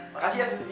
makasih ya susunya